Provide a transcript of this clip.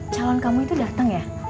calon kamu itu datang ya